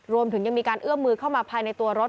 รวมถึงยังมีการเอื้อมมือเข้ามาภายในตัวรถ